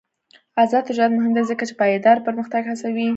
آزاد تجارت مهم دی ځکه چې پایداره پرمختګ هڅوي.